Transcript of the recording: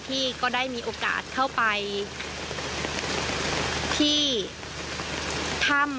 ที่ก็ได้มีโอกาสเข้าไปที่ถ้ำ